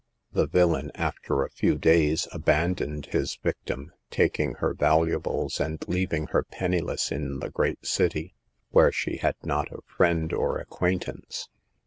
The villain, after a few days, aban doned his victim, taking her valuables and leaving her penniless in the great city, where she had not a friend or acquaintance.